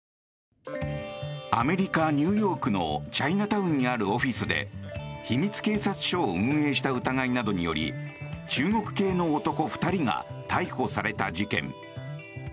アメリカ・ニューヨークのチャイナタウンにあるオフィスで秘密警察署を運営した疑いなどにより中国系の男２人が逮捕された事件。